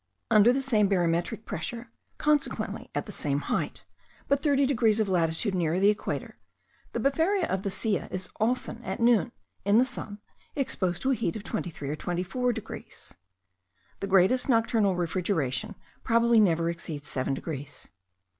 Under the same barometric pressure, consequently at the same height, but thirty degrees of latitude nearer the equator, the befaria of the Silla is often, at noon, in the sun, exposed to a heat of 23 or 24 degrees. The greatest nocturnal refrigeration probably never exceeds 7 degrees.